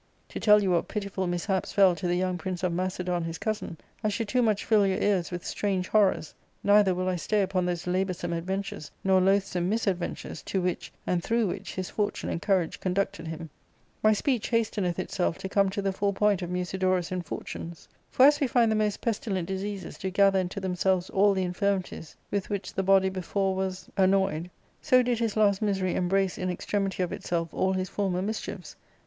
To tell you what pitiful mishaps fell to the young prince of Macedon his cousin, I should too much fill your ears with strange horrors ; neither will I stay upon those laboursome adventures, nor loathsome misadventures, to which and through which his fortune and courage conducted him. My speech hasteneth itself to come to the full point of Musidorus' infortunes. For, as we find the most pestilent diseases do gather into • themselves all the infirmities with which the body before was Where, as ill fortune would, the Dane, with fresh supplies, Was lately come aland." — Drayton, " Polyolbion." ARCADIA,^Book IL 131 annoyed, so did his last misery embrace in extremity of itself all his former mischiefs.